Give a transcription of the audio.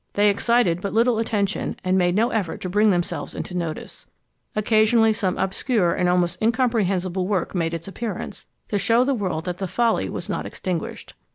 They excited but little attention, and made no effort to bring themselves into notice. Occasionally some obscure and almost incomprehensible work made its appearance, to shew the world that the folly was not extinguished.